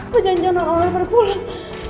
kejadian orang orang pada pulang